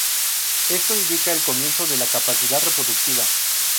Esto indica el comienzo de la capacidad reproductiva.